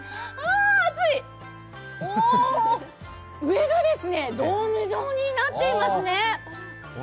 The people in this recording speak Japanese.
お、上がドーム状になっていますね。